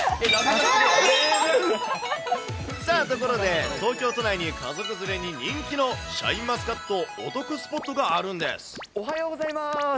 さあ、ところで、東京都内に家族連れに人気の、シャインマスカットお得スポットおはようございます。